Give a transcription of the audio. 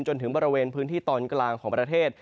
จนถึงบริเวณพื้นที่ตอนกลางของประเทศ